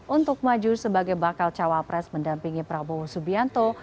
untuk maju sebagai bakal cawa pres mendampingi prabowo subianto